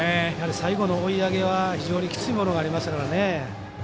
最後の追い上げは非常にきついものがありましたからね。